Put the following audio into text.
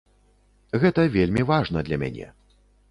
Гэта вельмі важна для мяне.